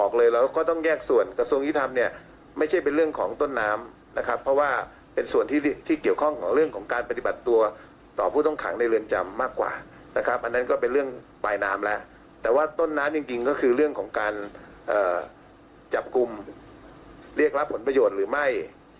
ก็คือเรื่องของการจับกุมเรียกรับผลประโยชน์หรือไม่